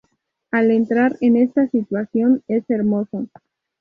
Al entrar en esta situación, es hermoso.